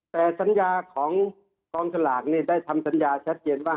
แต่สัญญาของกองสลากได้ทำสัญญาชัดเจนว่า